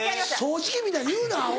掃除機みたいに言うなアホ。